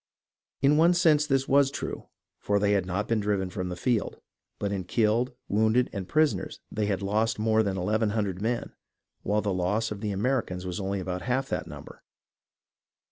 In one sense this was true, for they had not been driven from the field, but in killed, wounded, and prisoners they had lost more than eleven hundred men, while the loss of the Americans was only about half that number.